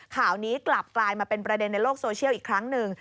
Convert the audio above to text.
ข่าวนี้กลับกลายมาเป็นประเด็นในโลกโซเชียลอีกครั้งหนึ่ง